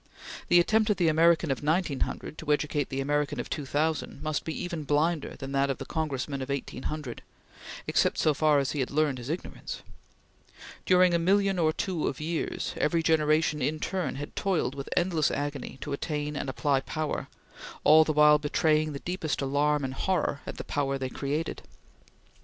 The attempt of the American of 1900 to educate the American of 2000, must be even blinder than that of the Congressman of 1800, except so far as he had learned his ignorance. During a million or two of years, every generation in turn had toiled with endless agony to attain and apply power, all the while betraying the deepest alarm and horror at the power they created.